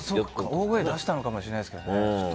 大声を出したのかもしれないですけどね。